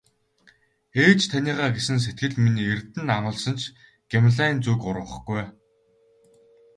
Ээж таныгаа гэсэн сэтгэл минь эрдэнэ амласан ч Гималайн зүг урвахгүй ээ.